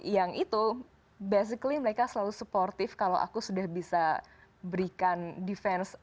yang itu basically mereka selalu supportive kalau aku sudah bisa berikan defense